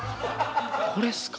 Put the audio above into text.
これすか？